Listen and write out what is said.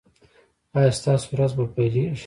ایا ستاسو ورځ به پیلیږي؟